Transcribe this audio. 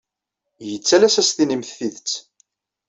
Yettalas ad as-tinimt tidet.